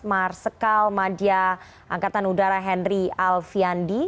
marsikal madya angkatan udara henry alfian di